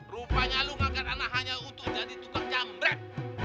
rupanya lo ngangkat anak hanya untuk jadi tutang jambret